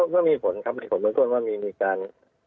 ก็มีผลครับมีผลเบื้องต้นว่ามีการ